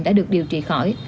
đã được điều trị khỏi